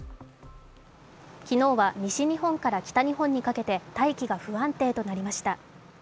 昨日は西日本から北日本にかけて大気が不安定となりました。